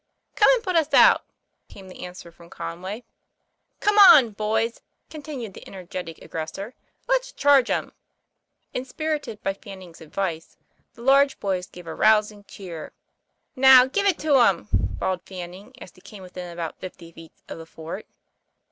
"Come and put us out!" came the answer from Conway. " Come on, boys," continued the energetic aggres sor, "let's charge 'em." Inspirited by Fanning's advice, the large boys gave a rousing cheer. "Now, give it 'em," bawled Fanning, as he came within about fifty feet of the fort.